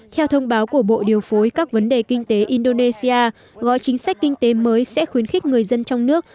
theo thông báo của bộ điều phối các vấn đề kinh tế indonesia gói chính sách kinh tế mới sẽ khuyến khích người dân trong nước